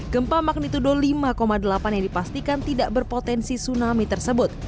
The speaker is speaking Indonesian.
gempa magnitudo lima delapan yang dipastikan tidak berpotensi tsunami tersebut